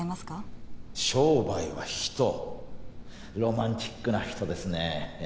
商売は人ロマンチックな人ですね。